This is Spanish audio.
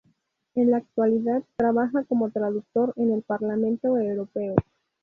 En la actualidad trabaja como traductor en el Parlamento europeo.